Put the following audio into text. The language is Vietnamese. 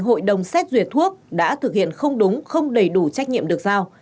hội đồng xét duyệt thuốc đã thực hiện không đúng không đầy đủ trách nhiệm được giao